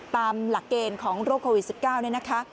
ตามหลักเกณฑ์ของโรคโควิด๑๙เนี่ยนะคะ